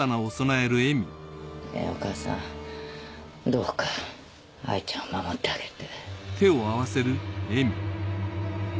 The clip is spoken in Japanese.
ねぇお母さんどうか藍ちゃんを守ってあげて。